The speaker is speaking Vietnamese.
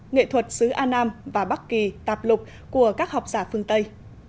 nghệ thuật sứ an nam và bắc kỳ tạp lục của các học giả phương tây